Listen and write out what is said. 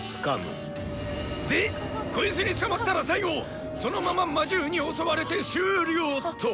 でこいつに捕まったら最後そのまま魔獣に襲われて終了と。